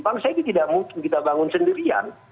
bangsa ini tidak mungkin kita bangun sendirian